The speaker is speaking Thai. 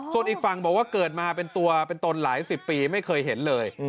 ส่วนอีกฝั่งบอกว่าเกิดมาเป็นตัวเป็นตนหลายสิบปีไม่เคยเห็นเลย